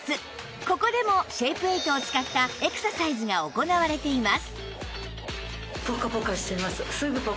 ここでもシェイプエイトを使ったエクササイズが行われています